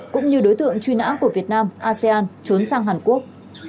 cũng như đối tượng truy nã của việt nam asean trốn sang hàn quốc